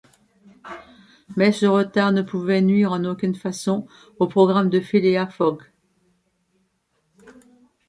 Mais ce retard ne pouvait nuire en aucune façon au programme de Phileas Fogg.